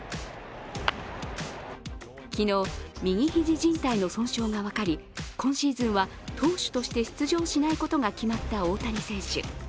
昨日、右肘じん帯の損傷が分かり、今シーズンは投手として出場しないことが決まった大谷選手